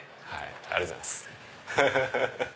ありがとうございます。